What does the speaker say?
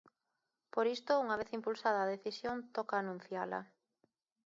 Por isto, unha vez impulsada a decisión, toca anunciala.